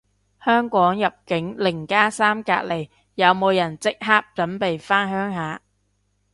香港入境零加三隔離，有冇人即刻準備返鄉下